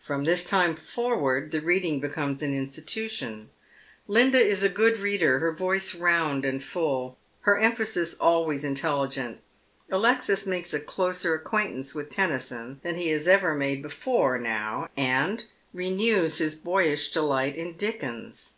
From this time forward the reading becomes an institution. Linda is a good reader, her voice round and full, her emphasis eluays intelligent. Alexis makes a closer acquaintance with 236 J0ead Men's Shoei. Tennyson than he has ever made before now, sad renews his boyish delight in Dickens.